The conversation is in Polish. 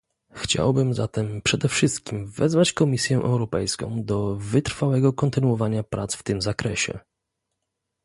Chciałbym zatem przede wszystkim wezwać Komisję Europejską do wytrwałego kontynuowania prac w tym zakresie